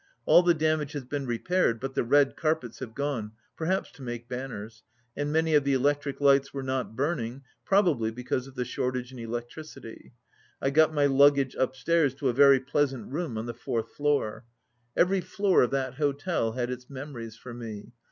All the damage has been repaired, but the red carpets fiave gone, perhaps to make banners, and many of the electric lights were not burning, probably because of the shortage in electricity. I got my luggage upstairs to a very pleasant room on the fourth floor. Every floor of that hotel had its memories for me.